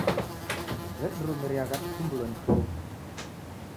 Ndedirumiriagha disumbulo ni chovu.